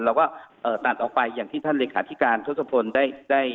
เราก็ตัดออกไปอย่างที่ท่านเลขาธิการทศพลได้